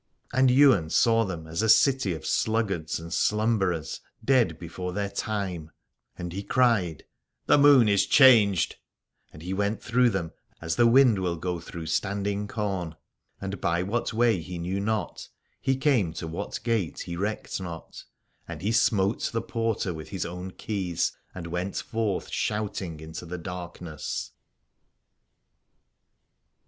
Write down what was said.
And Ywain saw them as a city of sluggards and slumberers, dead before their time : and he cried, The Moon is changed, and he went through them as the wind will go through standing corn. And by what way he knew not he came to what gate he recked not : and he smote the porter with his own keys and went forth shouting into the darkness.